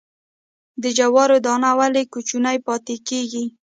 د جوارو دانه ولې کوچنۍ پاتې کیږي؟